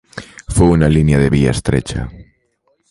Fue una línea de vía estrecha.